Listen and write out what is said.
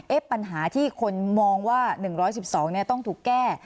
ปัญหาที่คนมองว่า๑๑๒ต้องถูกแก้